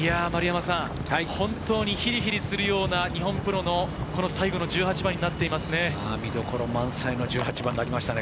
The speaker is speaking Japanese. ヒリヒリするような日本プロの最後の１８番になってますね。